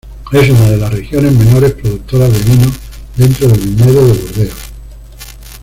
Es una de las regiones menores productoras de vino dentro del viñedo de Burdeos.